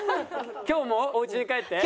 今日もおうちに帰って？